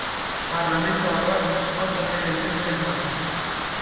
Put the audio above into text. Parlamentul a luat notă de rezervele noastre.